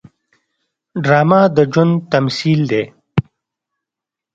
ډرامه د ژوند تمثیل دی